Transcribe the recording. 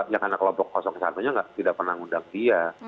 ya karena kelompok satu nya tidak pernah ngundang dia